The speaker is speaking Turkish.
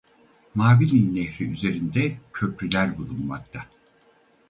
Mavi Nil nehri üzerinde köprüler bulunmakta.